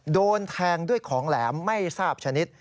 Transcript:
โดนแทงด้วยของแหลมไม่ทราบชนิด